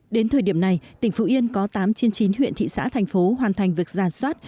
đến thời điểm này tỉnh phú yên có tám trên chín huyện thị xã thành phố hoàn thành việc giả soát